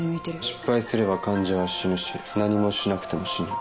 失敗すれば患者は死ぬし何もしなくても死ぬ。